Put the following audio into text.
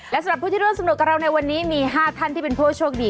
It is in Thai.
และสำหรับผู้ที่ร่วมสนุกกับเราในวันนี้มี๕ท่านที่เป็นผู้โชคดี